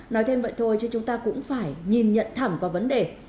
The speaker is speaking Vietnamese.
nói thêm vậy thôi chứ chúng ta cũng phải nhìn nhận thẳng vào vấn đề